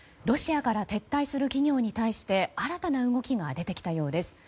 ロシアから撤退する企業に対して新たな動きが出てきたようです。